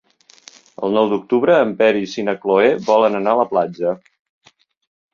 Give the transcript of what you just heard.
El nou d'octubre en Peris i na Cloè volen anar a la platja.